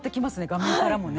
画面からもね。